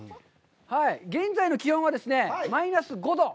現在の気温はマイナス５度。